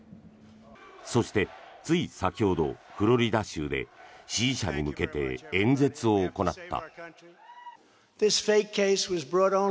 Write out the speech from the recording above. そして、つい先ほどフロリダ州で支持者に向けて演説を行った。